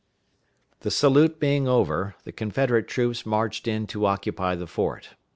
The salute being over, the Confederate troops marched in to occupy the fort.